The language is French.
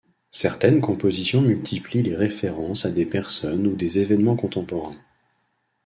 Certaines compositions multiplient les références à des personnes ou des événements contemporains.